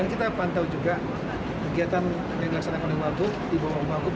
dan kita pantau juga kegiatan yang dilaksanakan oleh wakup di bawah wakup